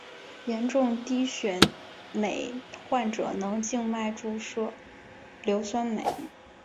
严重低血镁患者能经静脉注射硫酸镁。